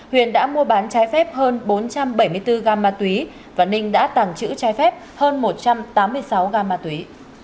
huyền đã mua bán trái phép hơn bốn trăm bảy mươi bốn gam ma túy và ninh đã tàng trữ trái phép hơn một trăm tám mươi sáu gam ma túy